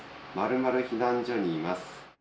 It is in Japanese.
○○避難所にいます。